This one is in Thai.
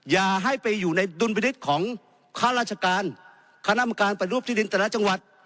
อย่าให้ไปอยู่ในดุลพินิษฐ์ของข้าราชการคณะกรรมการปฏิรูปที่ดินแต่ละจังหวัด